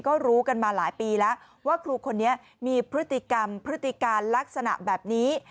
ก็รู้กันมาหลายปีแล้วว่าครูคนนี้มีพฤติกรรมพฤติการลักษณะแบบนี้